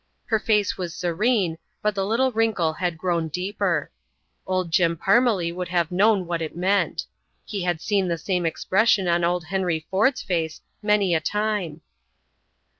Her face was serene, but the little wrinkle had grown deeper. Old Jim Parmelee would have known what it meant. He had seen the same expression on old Henry Ford's face many a time.